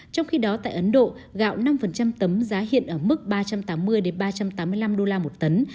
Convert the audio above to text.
trong khi đó tại ấn độ gạo năm tấm giá hiện ở mức ba trăm tám mươi ba trăm tám mươi năm đô la một tấn